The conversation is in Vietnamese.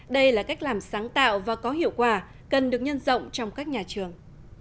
đây là cách làm sáng tạo và có hiệu quả cần được nhân rộng trong các nhà trường